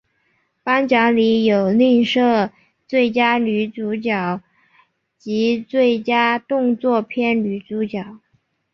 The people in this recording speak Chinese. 颁奖礼有另设最佳女主角及最佳动作片女主角。